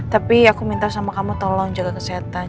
tapi aku minta sama kamu tolong jaga kesehatan